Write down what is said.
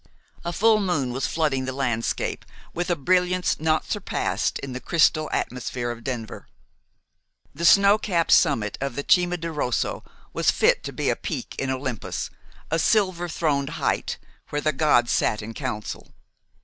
A full moon was flooding the landscape with a brilliance not surpassed in the crystal atmosphere of Denver. The snow capped summit of the Cima di Rosso was fit to be a peak in Olympus, a silver throned height where the gods sat in council.